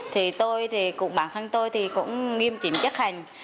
thì tôi thì cũng bản thân tôi thì cũng nghiêm trìm chất hành